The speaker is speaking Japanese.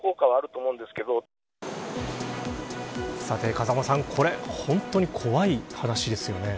風間さんこれ本当に怖い話ですね。